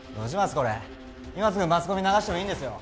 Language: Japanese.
これ今すぐマスコミに流してもいいんですよ